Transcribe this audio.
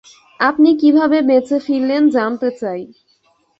আপনি কিভাবে বেঁচে ফিরলেন জানতে চাই।